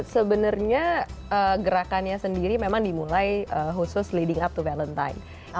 sebenarnya gerakannya sendiri memang dimulai khusus leading up to valentine